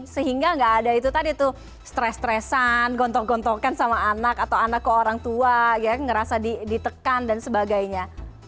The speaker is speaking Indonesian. sehingga nggak ada itu tadi tuh stres stresan gontok gontokan sama anak atau anak ke orang tua ya ngerasa ditekan dan sebagainya